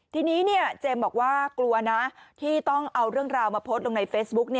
ทีนี้เจมส์บอกว่ากลัวนะที่ต้องเอาเรื่องราวมาโพสต์ลงในเฟซบุ๊ก